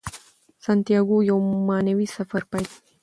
سانتیاګو یو معنوي سفر پیلوي.